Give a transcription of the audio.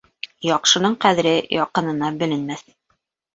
Яҡшының ҡәҙере яҡынына беленмәҫ.